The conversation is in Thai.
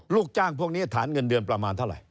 ลูกจ้างพวกนี้ฐานเงินเดือนประมาณเท่าไหร